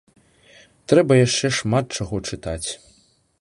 Трэба яшчэ шмат чаго чытаць.